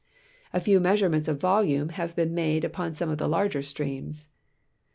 A few measure ments of volume havebeen made upon some of the larger streams.